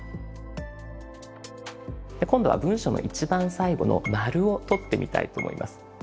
今度は文章の一番最後の「。」を取ってみたいと思います。